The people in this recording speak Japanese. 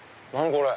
これ。